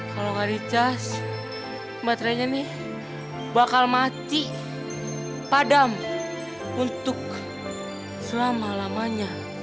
kalau nggak dicas baterainya nih bakal mati padam untuk selama lamanya